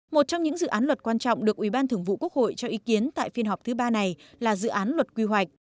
một trong những dự án luật quan trọng được ủy ban thường vụ quốc hội cho ý kiến tại phiên họp thứ ba này là dự án luật quy hoạch